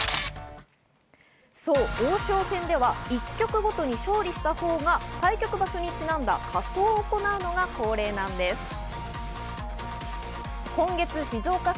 そう、王将戦では１局ごとに勝利したほうが対局場所にちなんだ仮装を行うのが恒例なんです。